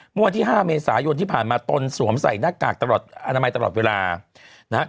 เมื่อวันที่๕เมษายนที่ผ่านมาตนสวมใส่หน้ากากตลอดอนามัยตลอดเวลานะฮะ